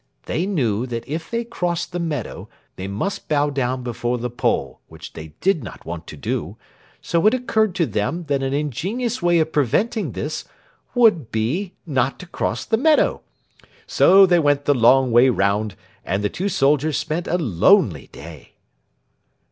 They knew that if they crossed the meadow they must bow down before the pole, which they did not want to do, so it occurred to them that an ingenious way of preventing this would be not to cross the meadow. So they went the long way round, and the two soldiers spent a lonely day.